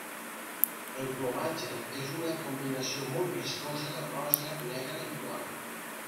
El plomatge és una combinació molt vistosa de rosa, negre i blanc.